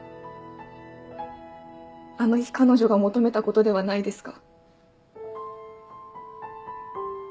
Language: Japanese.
あの日彼女が求めたことではないですか？